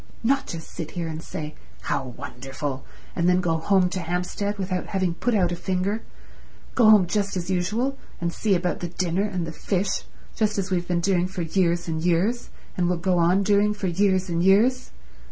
"Not just sit here and say How wonderful, and then go home to Hampstead without having put out a finger—go home just as usual and see about the dinner and the fish just as we've been doing for years and years and will go on doing for years and years.